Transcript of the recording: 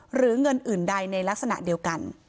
หรือเงินอื่นใดในลักษณะเดียวกัน